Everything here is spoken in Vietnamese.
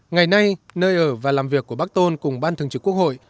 ngày nay nơi ở và làm việc của bắc tôn cùng ban thường trực quốc hội